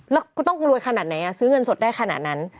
แล้วกูต้องรวยขนาดไหนซื้อเงินสดได้ขนาดนั้น